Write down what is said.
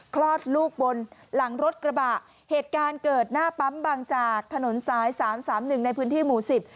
คลอดลูกบนหลังรถกระบะเหตุการณ์เกิดหน้าปั๊มบางจากถนนสายสามสามหนึ่งในพื้นที่หมู่สิบ